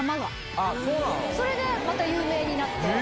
それでまた有名になって。